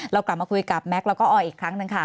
เรากลับมาคุยกับแม็กซ์แล้วก็ออยอีกครั้งหนึ่งค่ะ